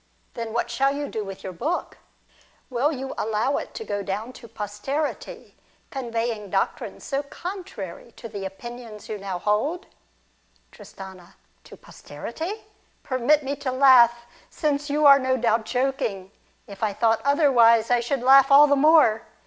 Then what shall you do with your book ? Will 212 DIALOGUE BETWEEN you allow it to go down to posterity, conveying doctrines so contrary to the opinions you now hold ? Tristaiio. To posterity ? Permit me to laugh, since you are no doubt joking ; if I thought otherwise, I should laugh all the more.